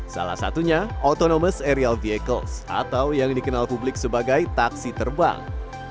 salah satunya autonomous aerial vehicles atau yang dikenal publik sebagai taksi terbang